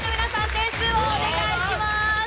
点数をお願いします。